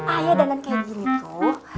ayah dandan kaya gini tuh